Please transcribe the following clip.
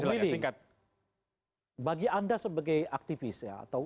bung gili bagi anda sebagai aktivis